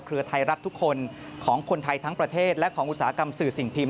ไทยรัฐทุกคนของคนไทยทั้งประเทศและของอุตสาหกรรมสื่อสิ่งพิม